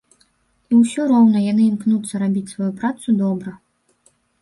І ўсё роўна яны імкнуцца рабіць сваю працу добра.